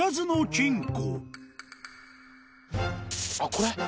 これ？